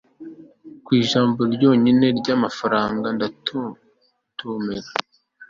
Ku ijambo ryonyine ryamafaranga ndatontomera